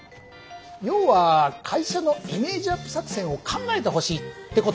要は会社のイメージアップ作戦を考えてほしいってことみたいなんだ。